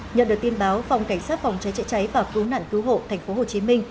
nhận được tin báo phòng cảnh sát phòng cháy chữa cháy và cứu nạn cứu hộ tp hcm